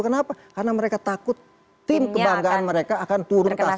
kenapa karena mereka takut tim kebanggaan mereka akan turun kasar di liga terdendah